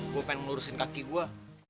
gue pengen ngurusin kaki gue